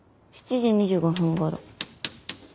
７時２５分ごろ。